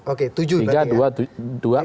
oke tujuh berarti ya